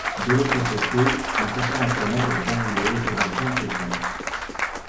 De l'autre côté, un serpent à sonnette était enroulé autour d'un plant de coton.